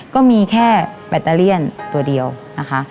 ก็มีแค่แบตเตอเลียนตัวเดียวนะคะ